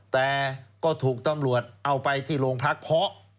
แต่ก็ถูกตำรวจเอาไปที่โรงพักเพราะ